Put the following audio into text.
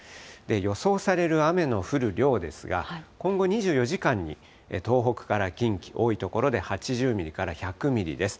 予想される雨の降る量ですが、今後２４時間に東北から近畿、多い所で８０ミリから１００ミリです。